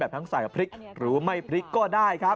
ทั้งใส่พริกหรือไม่พริกก็ได้ครับ